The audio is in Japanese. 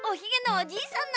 おじいさん？